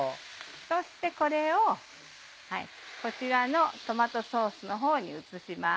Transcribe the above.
そしてこれをこちらのトマトソースのほうに移します。